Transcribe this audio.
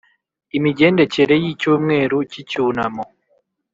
Imigendekere y icyumweru cy icyunamo